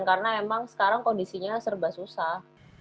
karena emang sekarang kondisinya serba susah